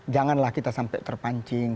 janganlah kita sampai terpancing